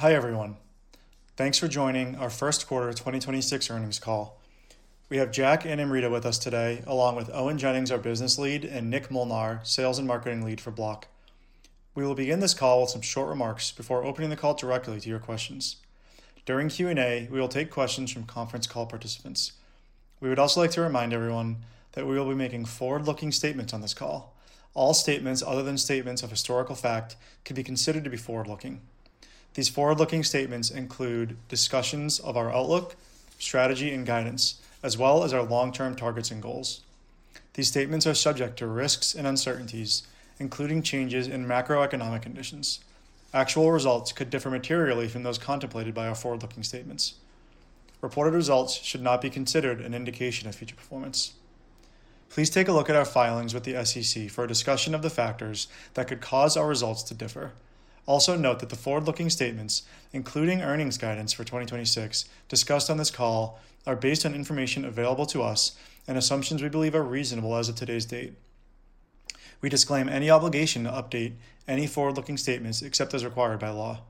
Hi, everyone. Thanks for joining our first quarter 2026 earnings call. We have Jack and Amrita with us today, along with Owen Jennings, our Business Lead, and Nick Molnar, Sales and Marketing Lead for Block. We will begin this call with some short remarks before opening the call directly to your questions. During Q&A, we will take questions from conference call participants. We would also like to remind everyone that we will be making forward-looking statements on this call. All statements other than statements of historical fact could be considered to be forward-looking. These forward-looking statements include discussions of our outlook, strategy, and guidance, as well as our long-term targets and goals. These statements are subject to risks and uncertainties, including changes in macroeconomic conditions. Actual results could differ materially from those contemplated by our forward-looking statements. Reported results should not be considered an indication of future performance. Please take a look at our filings with the SEC for a discussion of the factors that could cause our results to differ. Also note that the forward-looking statements, including earnings guidance for 2026 discussed on this call, are based on information available to us and assumptions we believe are reasonable as of today's date. We disclaim any obligation to update any forward-looking statements except as required by law.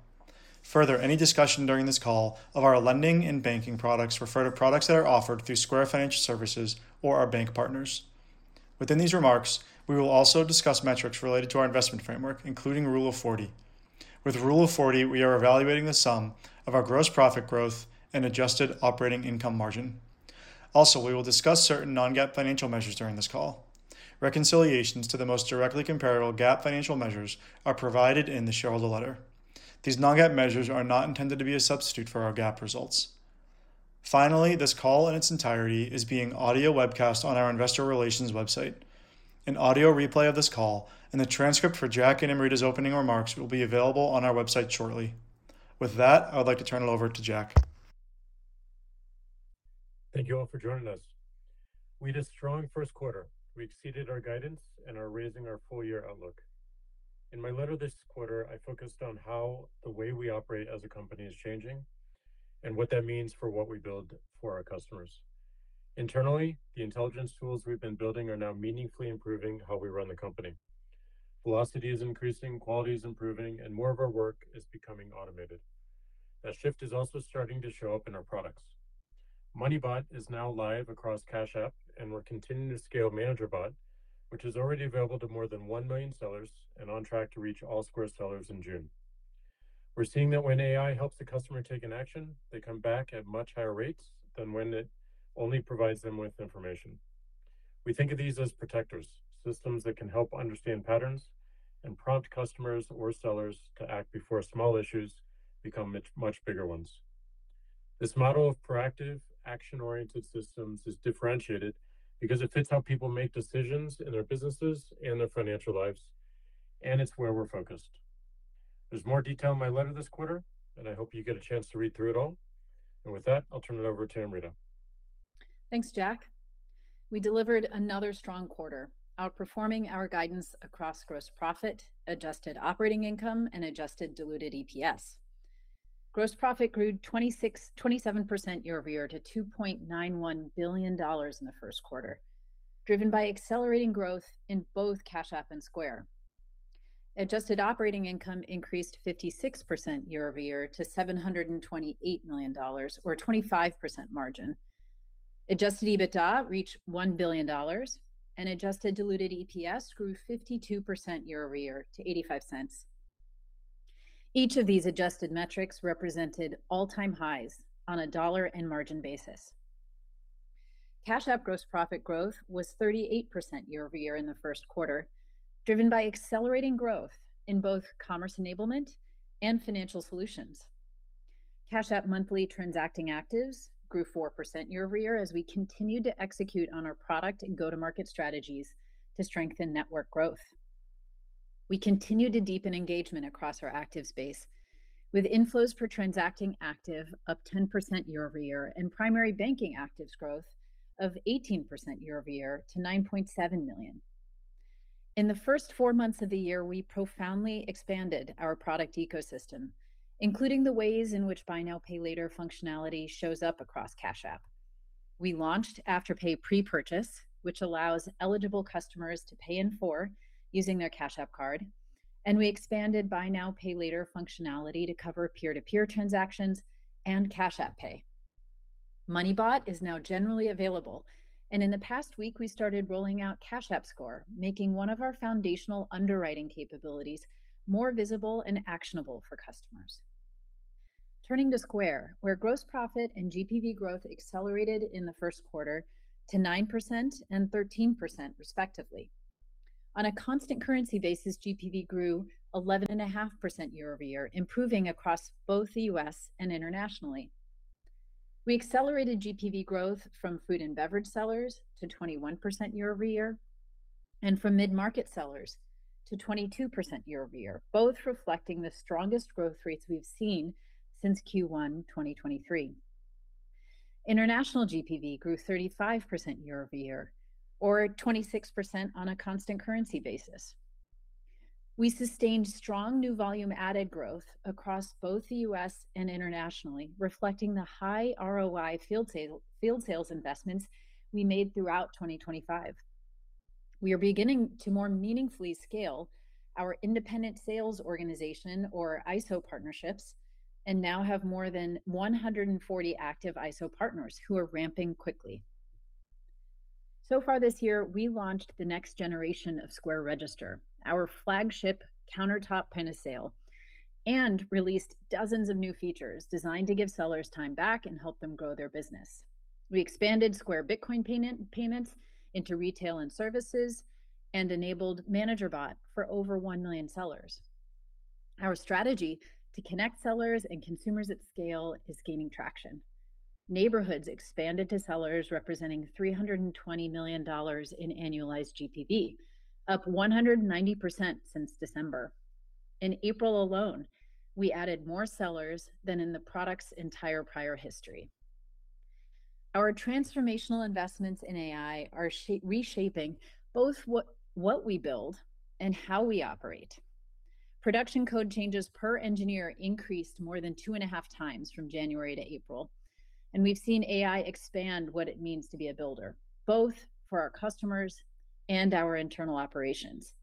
Further, any discussion during this call of our lending and banking products refer to products that are offered through Square Financial Services or our bank partners. Within these remarks, we will also discuss metrics related to our investment framework, including Rule of 40. With Rule of 40, we are evaluating the sum of our gross profit growth and adjusted operating income margin. Also, we will discuss certain non-GAAP financial measures during this call. Reconciliations to the most directly comparable GAAP financial measures are provided in the shareholder letter. These non-GAAP measures are not intended to be a substitute for our GAAP results. This call in its entirety is being audio webcast on our investor relations website. An audio replay of this call and the transcript for Jack and Amrita's opening remarks will be available on our website shortly. With that, I would like to turn it over to Jack. Thank you all for joining us. We had a strong first quarter. We exceeded our guidance and are raising our full year outlook. In my letter this quarter, I focused on how the way we operate as a company is changing and what that means for what we build for our customers. Internally, the intelligence tools we've been building are now meaningfully improving how we run the company. Velocity is increasing, quality is improving, and more of our work is becoming automated. That shift is also starting to show up in our products. MoneyBot is now live across Cash App, and we're continuing to scale ManagerBot, which is already available to more than one million sellers and on track to reach all Square sellers in June. We're seeing that when AI helps the customer take an action, they come back at much higher rates than when it only provides them with information. We think of these as protectors, systems that can help understand patterns and prompt customers or sellers to act before small issues become much, much bigger ones. This model of proactive, action-oriented systems is differentiated because it fits how people make decisions in their businesses and their financial lives, and it's where we're focused. There's more detail in my letter this quarter. I hope you get a chance to read through it all. With that, I'll turn it over to Amrita. Thanks, Jack. We delivered another strong quarter, outperforming our guidance across gross profit, adjusted operating income, and adjusted diluted EPS. Gross profit grew 26%-27% year-over-year to $2.91 billion in the first quarter, driven by accelerating growth in both Cash App and Square. Adjusted operating income increased 56% year-over-year to $728 million or 25% margin. Adjusted EBITDA reached $1 billion, and adjusted diluted EPS grew 52% year-over-year to $0.85. Each of these adjusted metrics represented all-time highs on a dollar and margin basis. Cash App gross profit growth was 38% year-over-year in the first quarter, driven by accelerating growth in both commerce enablement and financial solutions. Cash App monthly transacting actives grew 4% year-over-year as we continued to execute on our product and go-to-market strategies to strengthen network growth. We continued to deepen engagement across our actives base, with inflows per transacting active up 10% year-over-year and Primary Banking Actives growth of 18% year-over-year to 9.7 million. In the first four months of the year, we profoundly expanded our product ecosystem, including the ways in which buy now, pay later functionality shows up across Cash App. We launched Afterpay Post-Purchase, which allows eligible customers to pay in full using their Cash App Card, and we expanded buy now, pay later functionality to cover peer-to-peer transactions and Cash App Pay. MoneyBot is now generally available. In the past week, we started rolling out Cash App Score, making one of our foundational underwriting capabilities more visible and actionable for customers. Turning to Square, where gross profit and GPV growth accelerated in the first quarter to 9% and 13% respectively. On a constant currency basis, GPV grew 11.5% year-over-year, improving across both the U.S. and internationally. We accelerated GPV growth from food and beverage sellers to 21% year-over-year and from mid-market sellers to 22% year-over-year, both reflecting the strongest growth rates we've seen since Q1 2023. International GPV grew 35% year-over-year or 26% on a constant currency basis. We sustained strong new volume added growth across both the U.S. and internationally, reflecting the high ROI field sales investments we made throughout 2025. We are beginning to more meaningfully scale our independent sales organization or ISO partnerships and now have more than 140 active ISO partners who are ramping quickly. Far this year, we launched the next generation of Square Register, our flagship countertop point-of-sale, and released dozens of new features designed to give sellers time back and help them grow their business. We expanded Square Bitcoin payments into retail and services and enabled ManagerBot for over 1 million sellers. Our strategy to connect sellers and consumers at scale is gaining traction. Neighborhoods expanded to sellers representing $320 million in annualized GPV, up 190% since December. In April alone, we added more sellers than in the product's entire prior history. Our transformational investments in AI are reshaping both what we build and how we operate. Production code changes per engineer increased more than 2.5 times from January to April, and we've seen AI expand what it means to be a builder, both for our customers and our internal operations.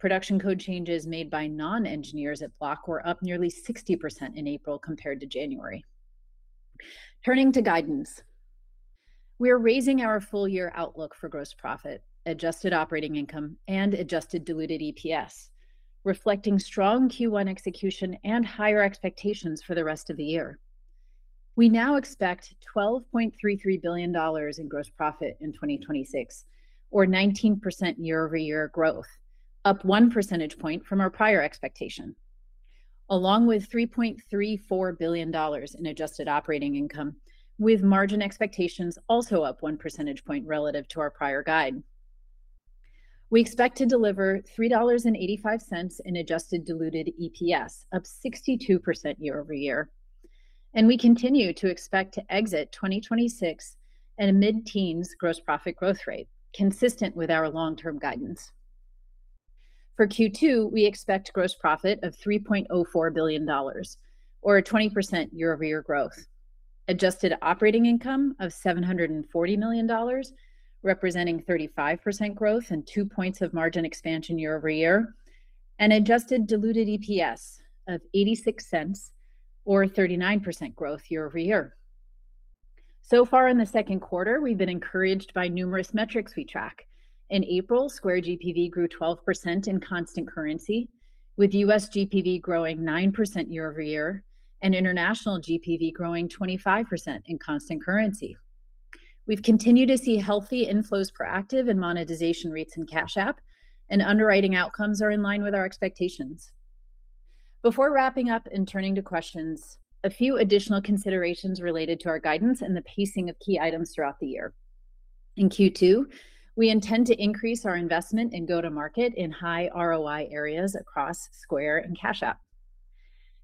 Production code changes made by non-engineers at Block were up nearly 60% in April compared to January. Turning to guidance, we are raising our full-year outlook for gross profit, adjusted operating income, and adjusted diluted EPS, reflecting strong Q1 execution and higher expectations for the rest of the year. We now expect $12.33 billion in gross profit in 2026, or 19% year-over-year growth, up one percentage point from our prior expectation, along with $3.34 billion in adjusted operating income, with margin expectations also up one percentage point relative to our prior guide. I continue to expect to exit 2026 at a mid-teens gross profit growth rate, consistent with our long-term guidance. For Q2, we expect gross profit of $3.04 billion or a 20% year-over-year growth, adjusted operating income of $740 million, representing 35% growth and 2 points of margin expansion year-over-year, and adjusted diluted EPS of $0.86 or 39% growth year-over-year. Far in the second quarter, we've been encouraged by numerous metrics we track. In April, Square GPV grew 12% in constant currency, with U.S. GPV growing 9% year-over-year and international GPV growing 25% in constant currency. We've continued to see healthy inflows for active and monetization rates in Cash App, and underwriting outcomes are in line with our expectations. Before wrapping up and turning to questions, a few additional considerations related to our guidance and the pacing of key items throughout the year. In Q2, we intend to increase our investment and go-to-market in high ROI areas across Square and Cash App.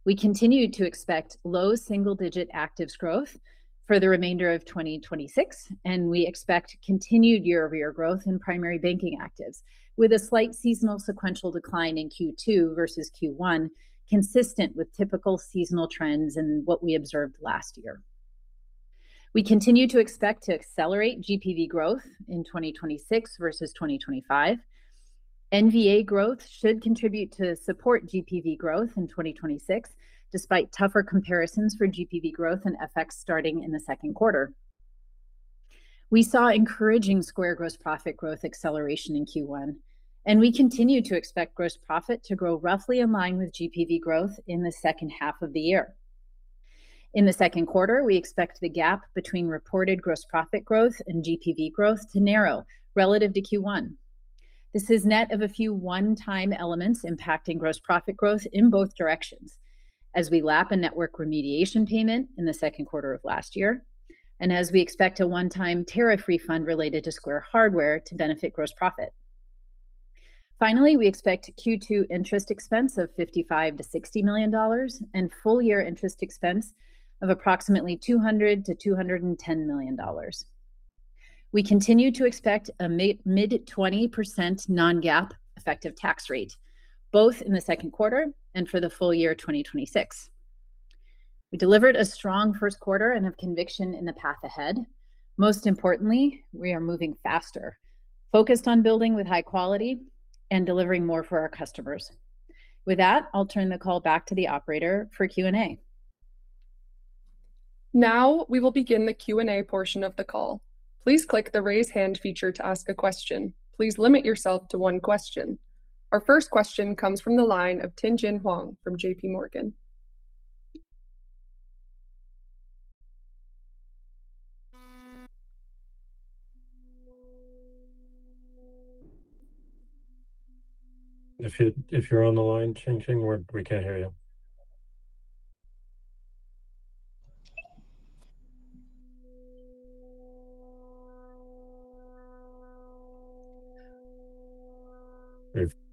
We continue to expect low single-digit actives growth for the remainder of 2026, and we expect continued year-over-year growth in Primary Banking Actives, with a slight seasonal sequential decline in Q2 versus Q1, consistent with typical seasonal trends and what we observed last year. We continue to expect to accelerate GPV growth in 2026 versus 2025. NVA growth should contribute to support GPV growth in 2026, despite tougher comparisons for GPV growth and FX starting in the second quarter. We saw encouraging Square gross profit growth acceleration in Q1, and we continue to expect gross profit to grow roughly in line with GPV growth in the second half of the year. In the second quarter, we expect the gap between reported gross profit growth and GPV growth to narrow relative to Q1. This is net of a few one-time elements impacting gross profit growth in both directions as we lap a network remediation payment in the second quarter of last year and as we expect a one-time tariff refund related to Square hardware to benefit gross profit. Finally, we expect Q2 interest expense of $55 million-$60 million and full-year interest expense of approximately $200 million-$210 million. We continue to expect a mid-20% non-GAAP effective tax rate, both in the second quarter and for the full year 2026. We delivered a strong first quarter and have conviction in the path ahead. Most importantly, we are moving faster, focused on building with high quality and delivering more for our customers. With that, I'll turn the call back to the operator for Q&A. Now we will begin the Q&A portion of the call. Please click the Raise Hand feature to ask a question. Please limit yourself to one question. Our first question comes from the line of Tien-Tsin Huang from JPMorgan. If you're on the line, Tien-Tsin, we can't hear you.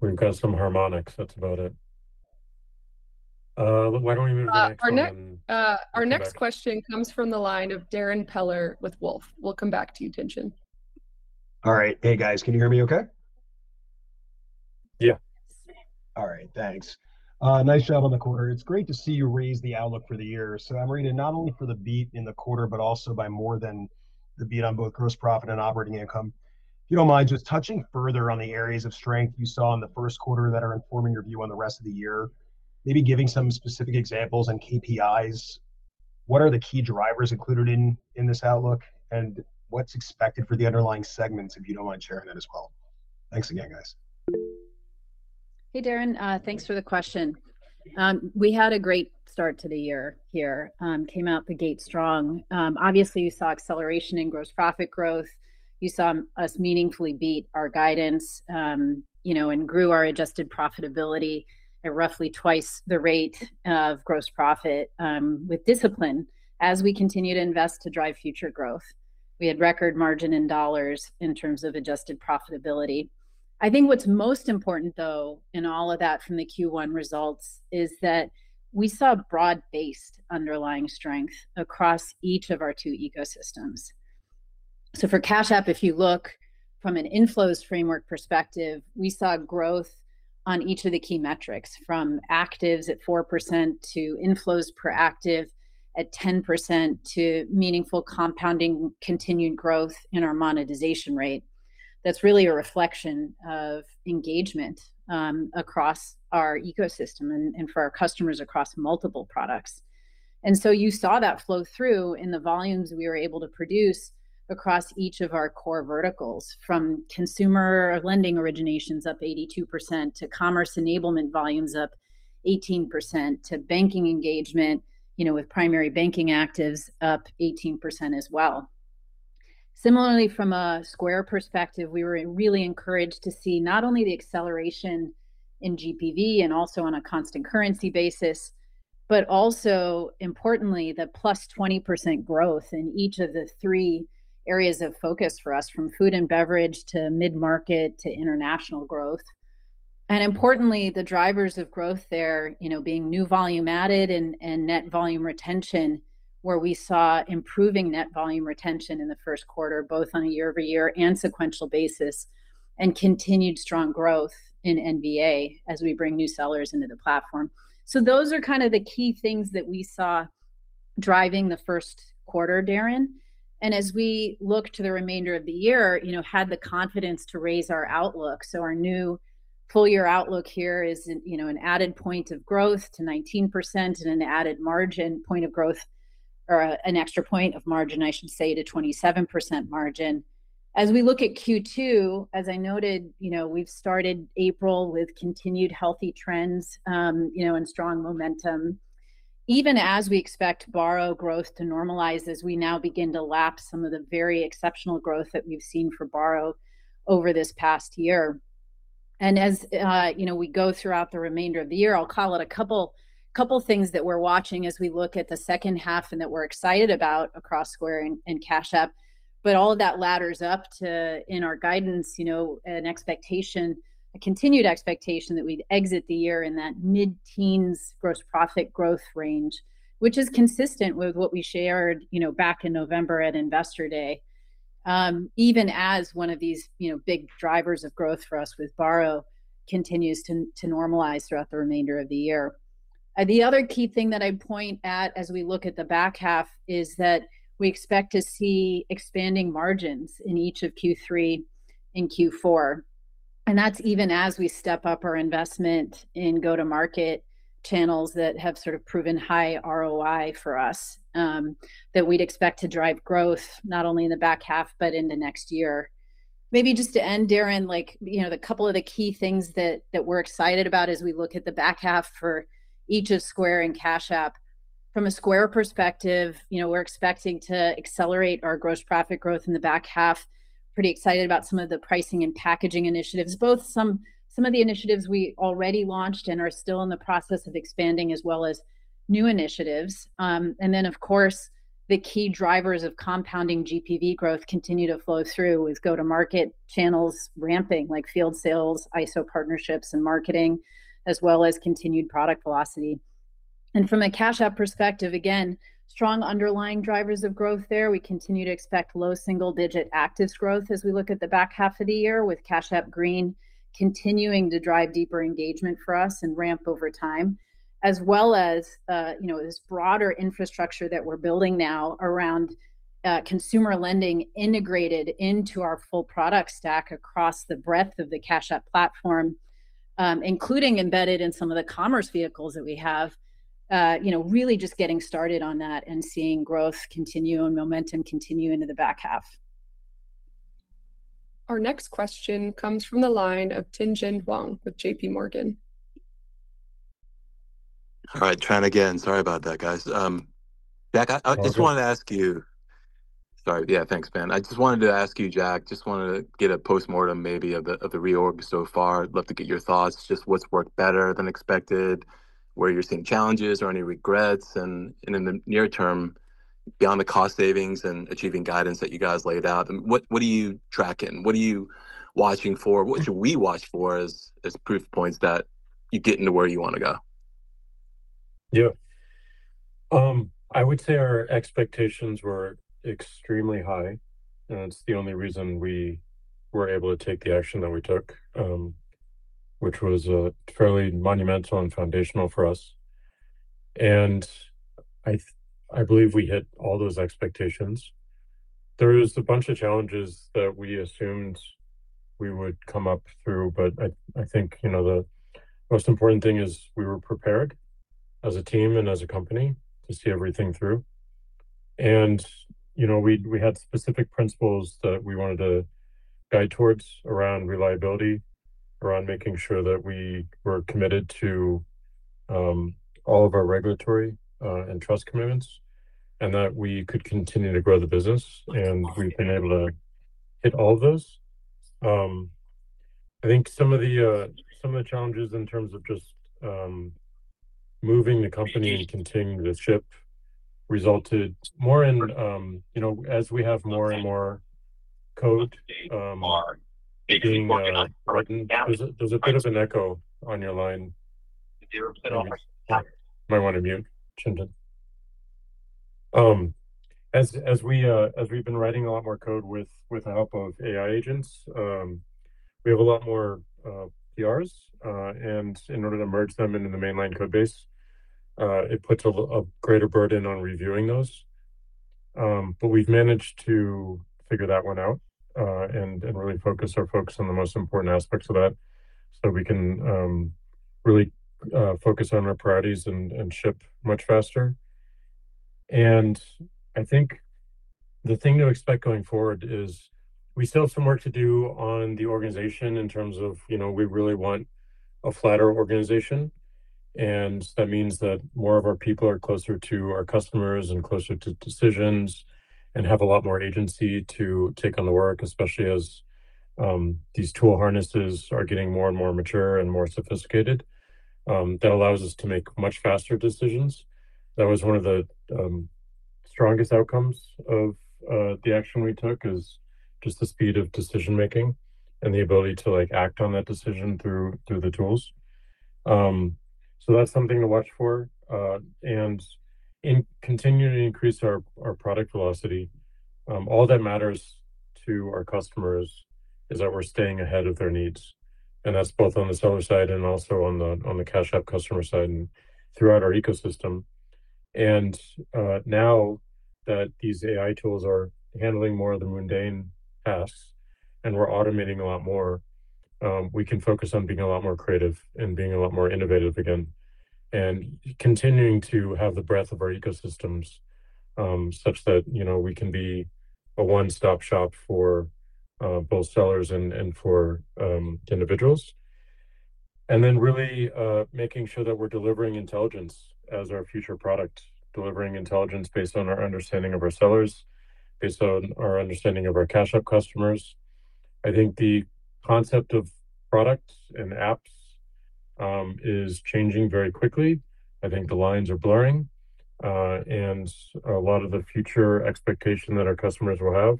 We've got some harmonics. That's about it. Why don't we move to the next one. Uh, our ne- Come back. Our next question comes from the line of Darrin Peller with Wolfe. We'll come back to you, Tien-Tsin. All right. Hey, guys, can you hear me okay? Yeah All right, thanks. Nice job on the quarter. It's great to see you raise the outlook for the year. Amrita, not only for the beat in the quarter, but also by more than the beat on both gross profit and operating income. If you don't mind just touching further on the areas of strength you saw in the first quarter that are informing your view on the rest of the year, maybe giving some specific examples and KPIs. What are the key drivers included in this outlook, and what's expected for the underlying segments, if you don't mind sharing that as well? Thanks again, guys. Hey Darrin, thanks for the question. We had a great start to the year here. Came out the gate strong. Obviously you saw acceleration in gross profit growth. You saw us meaningfully beat our guidance, you know, and grew our adjusted profitability at roughly twice the rate of gross profit, with discipline as we continue to invest to drive future growth. We had record margin in dollars in terms of adjusted profitability. I think what's most important though, in all of that from the Q1 results, is that we saw broad-based underlying strength across each of our two ecosystems. For Cash App, if you look from an inflows framework perspective, we saw growth on each of the key metrics, from actives at 4% to inflows per active at 10% to meaningful compounding continued growth in our monetization rate. That's really a reflection of engagement across our ecosystem and for our customers across multiple products. You saw that flow through in the volumes we were able to produce across each of our core verticals, from consumer lending originations up 82% to commerce enablement volumes up 18% to banking engagement, you know, with Primary Banking Actives up 18% as well. From a Square perspective, we were really encouraged to see not only the acceleration in GPV and also on a constant currency basis, but also importantly, the +20% growth in each of the three areas of focus for us, from food and beverage to mid-market to international growth. Importantly, the drivers of growth there, you know, being new volume added and net volume retention, where we saw improving net volume retention in the first quarter, both on a year-over-year and sequential basis, and continued strong growth in NVA as we bring new sellers into the platform. Those are kind of the key things that we saw driving the first quarter, Darin. As we look to the remainder of the year, you know, had the confidence to raise our outlook. Our new full year outlook here is an, you know, an added point of growth to 19% and an added margin point of growth or an extra point of margin, I should say, to 27% margin. As we look at Q2, as I noted, you know, we've started April with continued healthy trends, you know, and strong momentum, even as we expect Borrow growth to normalize as we now begin to lap some of the very exceptional growth that we've seen for Borrow over this past year. As, you know, we go throughout the remainder of the year, I'll call out a couple things that we're watching as we look at the second half and that we're excited about across Square and Cash App. All of that ladders up to, in our guidance, you know, an expectation, a continued expectation that we'd exit the year in that mid-teens gross profit growth range. Which is consistent with what we shared, you know, back in November at Investor Day, even as one of these, you know, big drivers of growth for us with Borrow continues to normalize throughout the remainder of the year. The other key thing that I'd point at as we look at the back half is that we expect to see expanding margins in each of Q3 and Q4. That's even as we step up our investment in go-to-market channels that have sort of proven high ROI for us, that we'd expect to drive growth not only in the back half, but in the next year. Maybe just to end, Darrin, like, you know, the couple of the key things that we're excited about as we look at the back half for each of Square and Cash App. From a Square perspective, you know, we're expecting to accelerate our gross profit growth in the back half. Pretty excited about some of the pricing and packaging initiatives, both some of the initiatives we already launched and are still in the process of expanding, as well as new initiatives. Then of course, the key drivers of compounding GPV growth continue to flow through with go-to-market channels ramping, like field sales, ISO partnerships, and marketing, as well as continued product velocity. From a Cash App perspective, again, strong underlying drivers of growth there. We continue to expect low single digit actives growth as we look at the back half of the year with Cash App Green continuing to drive deeper engagement for us and ramp over time. As well as, you know, this broader infrastructure that we're building now around consumer lending integrated into our full product stack across the breadth of the Cash App platform, including embedded in some of the commerce vehicles that we have. You know, really just getting started on that and seeing growth continue and momentum continue into the back half. Our next question comes from the line of Tien-Tsin Huang with JPMorgan. All right, trying again. Sorry about that, guys. Jack, I just wanted to ask you. Yeah, thanks, Ben. I just wanted to ask you, Jack, just wanted to get a postmortem maybe of the reorg so far. Love to get your thoughts, just what's worked better than expected, where you're seeing challenges or any regrets. In the near term, beyond the cost savings and achieving guidance that you guys laid out, what are you tracking? What are you watching for? What should we watch for as proof points that you're getting to where you want to go? Yeah. I would say our expectations were extremely high, and that's the only reason we were able to take the action that we took, which was fairly monumental and foundational for us. I believe we hit all those expectations. There was a bunch of challenges that we assumed we would come up through, but I think, you know, the most important thing is we were prepared as a team and as a company to see everything through. You know, we had specific principles that we wanted to guide towards around reliability, around making sure that we were committed to all of our regulatory and trust commitments, and that we could continue to grow the business. We've been able to hit all those. I think some of the challenges in terms of just moving the company and continuing to ship resulted more in, you know, as we have more and more code being written. There's a bit of an echo on your line. You might wanna mute, Tien-Tsin. As we've been writing a lot more code with the help of AI agents, we have a lot more PRs. In order to merge them into the mainline code base, it puts a greater burden on reviewing those. We've managed to figure that one out and really focus our folks on the most important aspects of that so we can really focus on our priorities and ship much faster. I think the thing to expect going forward is we still have some work to do on the organization in terms of, you know, we really want a flatter organization, and that means that more of our people are closer to our customers and closer to decisions, and have a lot more agency to take on the work, especially as these tool harnesses are getting more and more mature and more sophisticated. That allows us to make much faster decisions. That was one of the strongest outcomes of the action we took is just the speed of decision-making and the ability to, like, act on that decision through the tools. So that's something to watch for. In continuing to increase our product velocity, all that matters to our customers is that we're staying ahead of their needs, and that's both on the seller side and also on the Cash App customer side and throughout our ecosystem. Now that these AI tools are handling more of the mundane tasks and we're automating a lot more, we can focus on being a lot more creative and being a lot more innovative again. Continuing to have the breadth of our ecosystems, such that, you know, we can be a one-stop shop for both sellers and for individuals. Really making sure that we're delivering intelligence as our future product. Delivering intelligence based on our understanding of our sellers, based on our understanding of our Cash App customers. I think the concept of products and apps is changing very quickly. I think the lines are blurring. A lot of the future expectation that our customers will have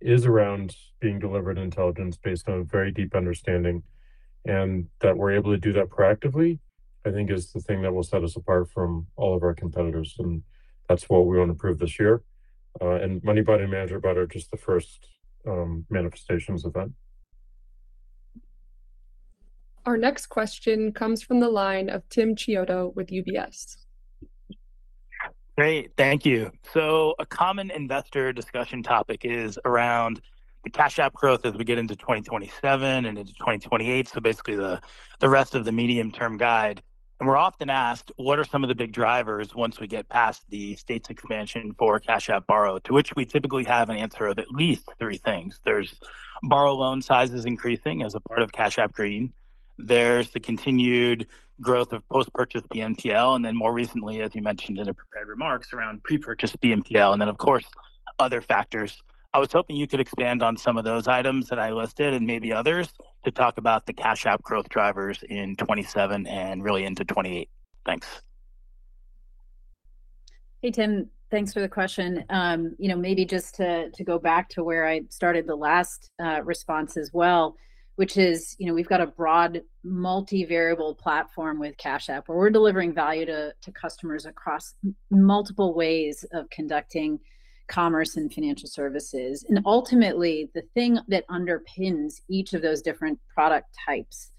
is around being delivered intelligence based on a very deep understanding. That we're able to do that proactively, I think, is the thing that will set us apart from all of our competitors, and that's what we wanna improve this year. MoneyBot and ManagerBot are just the first manifestations of that. Our next question comes from the line of Tim Chiodo with UBS. Great. Thank you. A common investor discussion topic is around the Cash App growth as we get into 2027 and into 2028, so basically the rest of the medium-term guide. We're often asked what are some of the big drivers once we get past the states expansion for Cash App Borrow? To which we typically have an answer of at least three things. There's Borrow loan sizes increasing as a part of Cash App. There's the continued growth of post-purchase BNPL and then more recently, as you mentioned in the prepared remarks, around pre-purchase BNPL and then of course other factors. I was hoping you could expand on some of those items that I listed and maybe others to talk about the Cash App growth drivers in 2027 and really into 2028. Thanks. Hey, Tim. Thanks for the question. You know, maybe just to go back to where I started the last response as well, which is, you know, we've got a broad multi-variable platform with Cash App where we're delivering value to customers across multiple ways of conducting commerce and financial services. Ultimately, the thing that underpins each of those different product types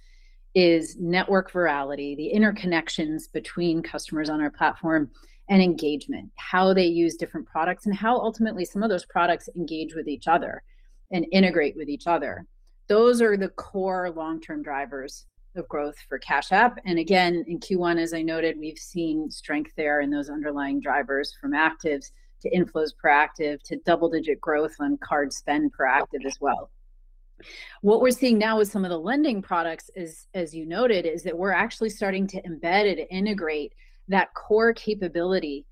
is network virality, the interconnections between customers on our platform, and engagement. How they use different products, and how ultimately some of those products engage with each other and integrate with each other. Those are the core long-term drivers of growth for Cash App. Again, in Q1, as I noted, we've seen strength there in those underlying drivers from actives to inflows per active, to double-digit growth on card spend per active as well. What we're seeing now with some of the lending products is, as you noted, is that we're actually starting to embed and integrate that core capability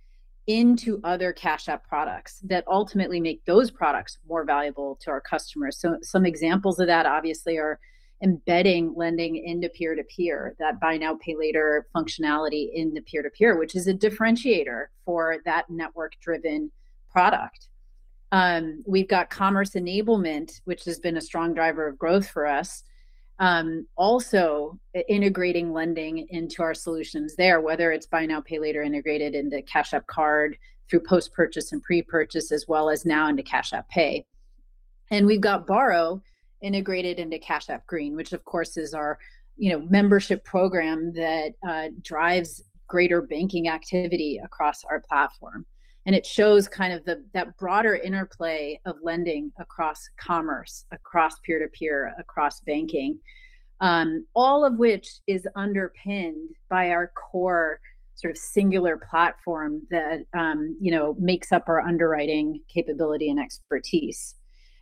into other Cash App products that ultimately make those products more valuable to our customers. Some examples of that obviously are embedding lending into peer-to-peer, that buy now, pay later functionality into peer-to-peer, which is a differentiator for that network-driven product. We've got commerce enablement, which has been a strong driver of growth for us. Also integrating lending into our solutions there, whether it's buy now, pay later integrated into Cash App Card through post purchase and pre-purchase, as well as now into Cash App Pay. We've got Borrow integrated into Cash App Green, which of course is our, you know, membership program that drives greater banking activity across our platform. It shows kind of the broader interplay of lending across commerce, across peer-to-peer, across banking. All of which is underpinned by our core sort of singular platform that, you know, makes up our underwriting capability and expertise.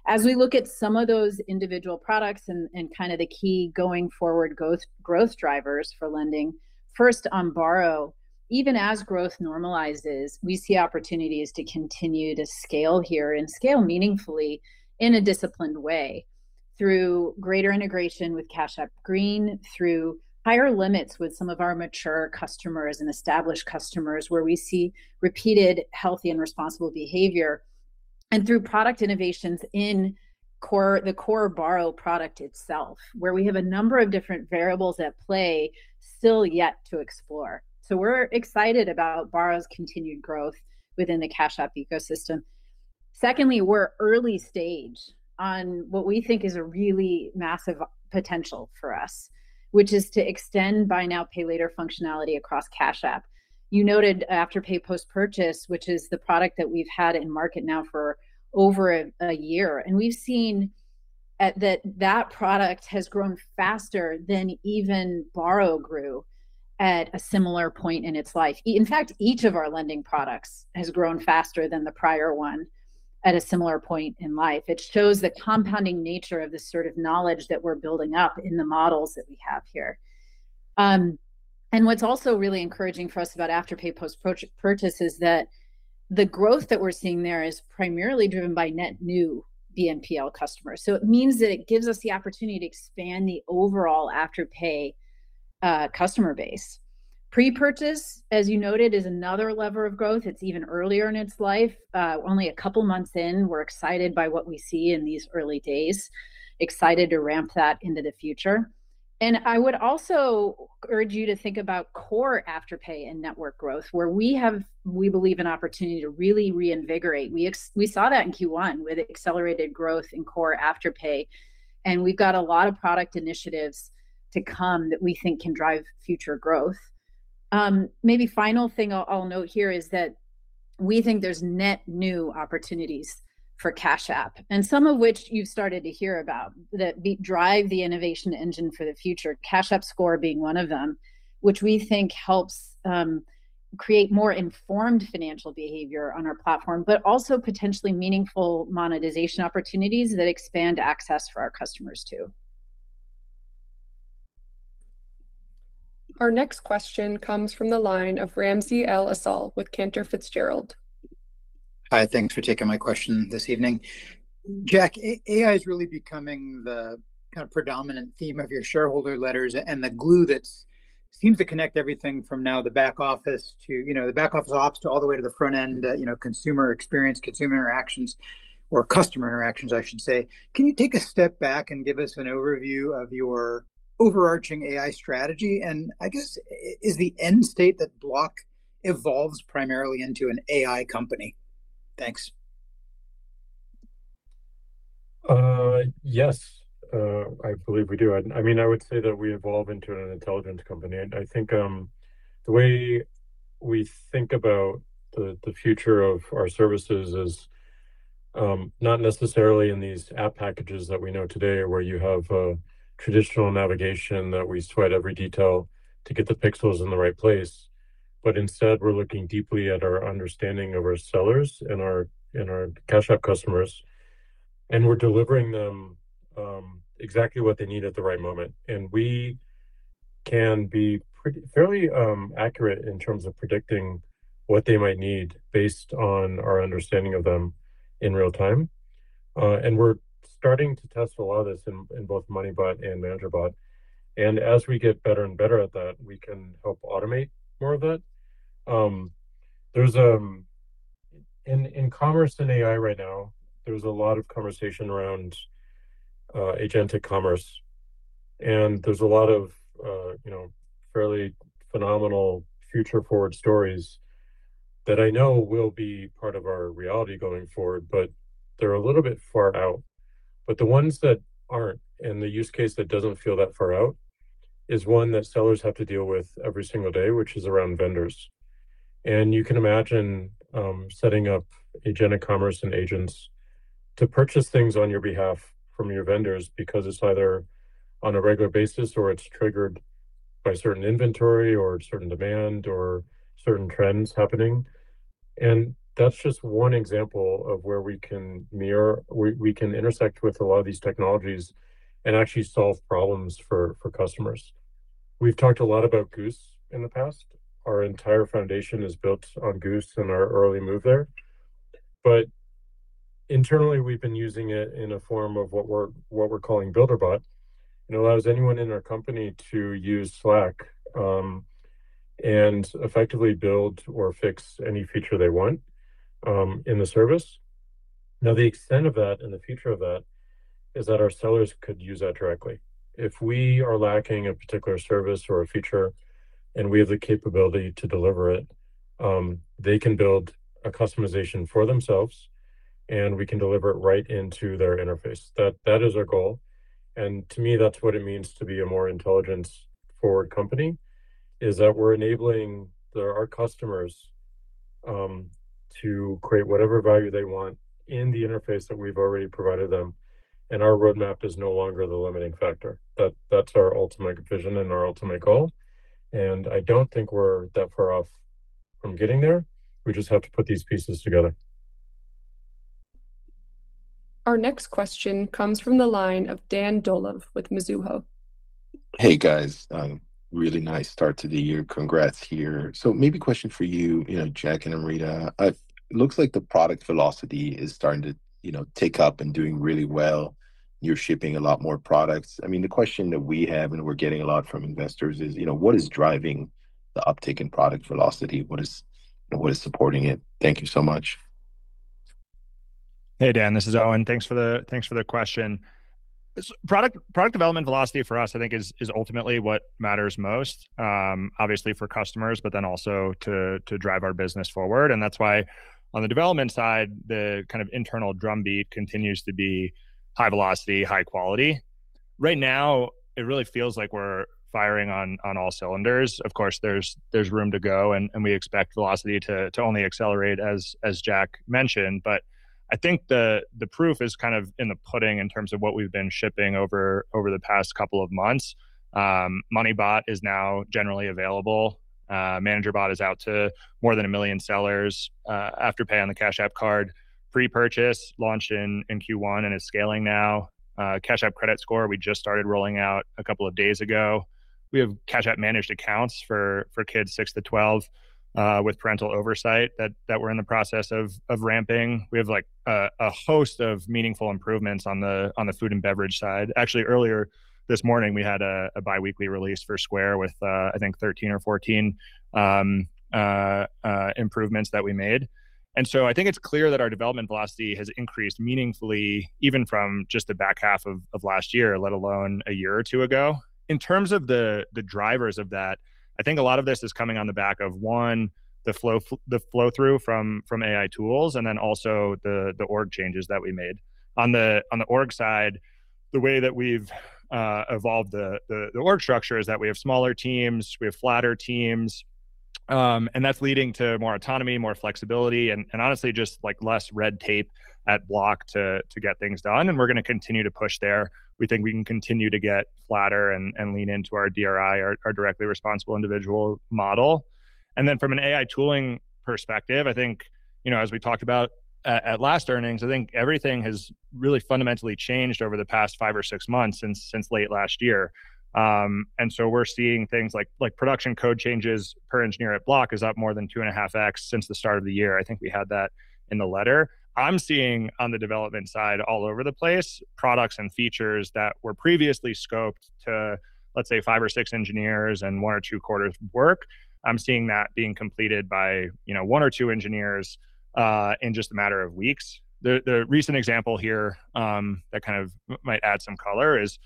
As we look at some of those individual products and kind of the key going forward growth drivers for lending, first on Borrow, even as growth normalizes, we see opportunities to continue to scale here and scale meaningfully in a disciplined way through greater integration with Cash App Green, through higher limits with some of our mature customers and established customers where we see repeated healthy and responsible behavior, and through product innovations in the core Borrow product itself, where we have a number of different variables at play still yet to explore. We're excited about Borrow's continued growth within the Cash App ecosystem. Secondly, we're early stage on what we think is a really massive potential for us, which is to extend buy now, pay later functionality across Cash App. You noted Afterpay post purchase, which is the product that we've had in market now for over a year. We've seen that product has grown faster than even Borrow grew at a similar point in its life. In fact, each of our lending products has grown faster than the prior one at a similar point in life. It shows the compounding nature of the sort of knowledge that we're building up in the models that we have here. What's also really encouraging for us about Afterpay post purchase is that the growth that we're seeing there is primarily driven by net new BNPL customers. It means that it gives us the opportunity to expand the overall Afterpay customer base. Pre-purchase, as you noted, is another lever of growth. It's even earlier in its life, only a couple months in. We're excited by what we see in these early days, excited to ramp that into the future. I would also urge you to think about core Afterpay and network growth, where we have, we believe, an opportunity to really reinvigorate. We saw that in Q1 with accelerated growth in core Afterpay, and we've got a lot of product initiatives to come that we think can drive future growth. Maybe final thing I'll note here is that we think there's net new opportunities for Cash App, and some of which you've started to hear about, that drive the innovation engine for the future, Cash App Score being one of them, which we think helps create more informed financial behavior on our platform, but also potentially meaningful monetization opportunities that expand access for our customers too. Our next question comes from the line of Ramsey El-Assal with Cantor Fitzgerald. Hi. Thanks for taking my question this evening. Jack, AI is really becoming the kind of predominant theme of your shareholder letters and the glue that seems to connect everything from now the back office to, you know, the back office ops to all the way to the front end, you know, consumer experience, consumer interactions, or customer interactions, I should say. Can you take a step back and give us an overview of your overarching AI strategy? I guess is the end state that Block evolves primarily into an AI company? Thanks. Yes, I believe we do. I mean, I would say that we evolve into an intelligence company. I think, the way we think about the future of our services is not necessarily in these app packages that we know today where you have a traditional navigation that we sweat every detail to get the pixels in the right place. But instead, we're looking deeply at our understanding of our sellers and our Cash App customers, and we're delivering them exactly what they need at the right moment. We can be fairly accurate in terms of predicting what they might need based on our understanding of them in real time. We're starting to test a lot of this in both MoneyBot and ManagerBot. As we get better and better at that, we can help automate more of it. In commerce and AI right now, there's a lot of conversation around agentic commerce. There's a lot of, you know, fairly phenomenal future forward stories that I know will be part of our reality going forward, but they're a little bit far out. The ones that aren't, and the use case that doesn't feel that far out, is one that sellers have to deal with every single day, which is around vendors. You can imagine setting up agentic commerce and agents to purchase things on your behalf from your vendors because it's either on a regular basis or it's triggered by certain inventory or certain demand or certain trends happening. That's just one example of where we can mirror, we can intersect with a lot of these technologies and actually solve problems for customers. We've talked a lot about Goose in the past. Our entire foundation is built on Goose and our early move there. Internally, we've been using it in a form of what we're calling BuilderBot. It allows anyone in our company to use Slack and effectively build or fix any feature they want in the service. The extent of that and the future of that is that our sellers could use that directly. If we are lacking a particular service or a feature and we have the capability to deliver it, they can build a customization for themselves, and we can deliver it right into their interface. That is our goal. To me, that's what it means to be a more intelligence-forward company, is that we're enabling our customers to create whatever value they want in the interface that we've already provided them. Our roadmap is no longer the limiting factor. That's our ultimate vision and our ultimate goal. I don't think we're that far off from getting there. We just have to put these pieces together. Our next question comes from the line of Dan Dolev with Mizuho. Hey, guys. Really nice start to the year. Congrats here. Maybe a question for you know, Jack and Amrita. Looks like the product velocity is starting to, you know, tick up and doing really well. You're shipping a lot more products. I mean, the question that we have, and we're getting a lot from investors is, you know, what is driving the uptick in product velocity? What is supporting it? Thank you so much. Hey, Dan. This is Owen. Thanks for the question. Product development velocity for us, I think, is ultimately what matters most, obviously for customers, but then also to drive our business forward. That's why on the development side, the kind of internal drumbeat continues to be high velocity, high quality. Right now, it really feels like we're firing on all cylinders. Of course, there's room to go, and we expect velocity to only accelerate, as Jack mentioned. I think the proof is kind of in the pudding in terms of what we've been shipping over the past couple of months. MoneyBot is now generally available. ManagerBot is out to more than one million sellers. Afterpay on the Cash App Card, Pre-Purchase launched in Q1 and is scaling now. Cash App Score we just started rolling out a couple of days ago. We have Cash App managed accounts for kids six to 12 with parental oversight that we're in the process of ramping. We have, like, a host of meaningful improvements on the food and beverage side. Actually, earlier this morning, we had a biweekly release for Square with, I think 13 or 14 improvements that we made. I think it's clear that our development velocity has increased meaningfully even from just the back half of last year, let alone a year or two ago. In terms of the drivers of that, I think a lot of this is coming on the back of, one, the flow-through from AI tools and then also the org changes that we made. On the org side, the way that we've evolved the org structure is that we have smaller teams, we have flatter teams, and that's leading to more autonomy, more flexibility and honestly just, like, less red tape at Block to get things done, and we're gonna continue to push there. We think we can continue to get flatter and lean into our DRI, our directly responsible individual model. From an AI tooling perspective, I think, you know, as we talked about at last earnings, I think everything has really fundamentally changed over the past five or six months since late last year. We're seeing things like production code changes per engineer at Block is up more than 2.5x since the start of the year. I think we had that in the letter. I'm seeing on the development side all over the place products and features that were previously scoped to, let's say, five or six engineers and one or two quarters of work. I'm seeing that being completed by, you know, one or two engineers in just a matter of weeks. The recent example here, that kind of might add some color is,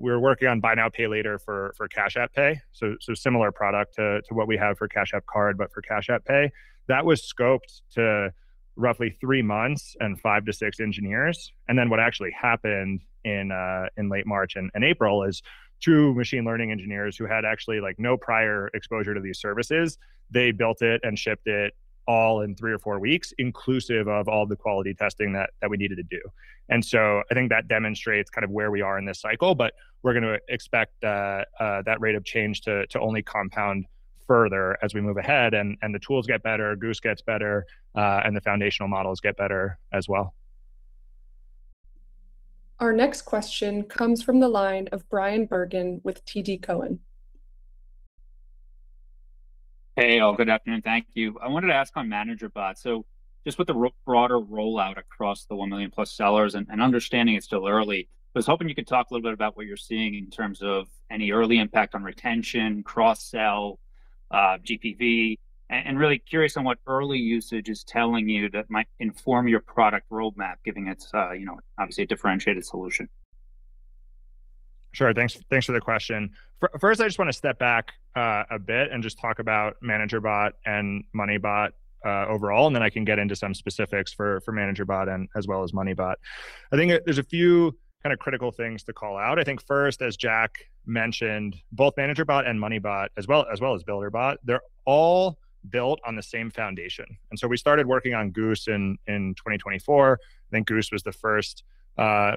we're working on buy now, pay later for Cash App Pay, so similar product to what we have for Cash App Card, but for Cash App Pay. That was scoped to roughly three months and five to six engineers. What actually happened in late March and April is two machine learning engineers who had actually, like, no prior exposure to these services, they built it and shipped it all in three or four weeks, inclusive of all the quality testing that we needed to do. I think that demonstrates kind of where we are in this cycle, but we're gonna expect that rate of change to only compound further as we move ahead and the tools get better, Goose gets better, and the foundational models get better as well. Our next question comes from the line of Bryan Bergin with TD Cowen. Hey, all. Good afternoon. Thank you. I wanted to ask on ManagerBot. Just with the broader rollout across the one million plus sellers and understanding it's still early, I was hoping you could talk a little bit about what you're seeing in terms of any early impact on retention, cross-sell, GPV. And really curious on what early usage is telling you that might inform your product roadmap, giving it's, you know, obviously a differentiated solution. Sure. Thanks for the question. First I just wanna step back a bit and just talk about ManagerBot and MoneyBot overall, and then I can get into some specifics for ManagerBot and as well as MoneyBot. I think there's a few kind of critical things to call out. I think first, as Jack mentioned, both ManagerBot and MoneyBot, as well as BuilderBot, they're all built on the same foundation. We started working on goose in 2024. I think Goose was the first